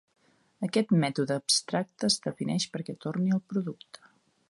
Aquest mètode abstracte es defineix perquè torni el producte.